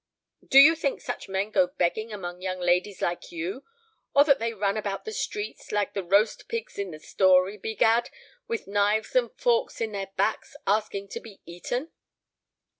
Do you think such men go begging among young ladies like you, or that they run about the streets, like the roast pigs in the story, begad, with knives and forks in their backs, asking to be eaten?"